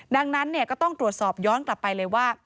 ดังนั้นก็ต้องตรวจสอบย้อนกลับไปเลยว่า